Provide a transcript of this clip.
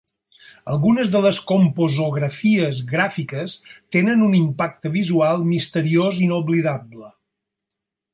Algunes de les composografies "Gràfiques" tenen un impacte visual misteriós inoblidable.